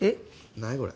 何これ！？